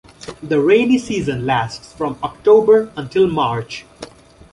The rainy season lasts from October until March.